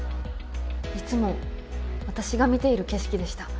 いつも私が見ている景色でした。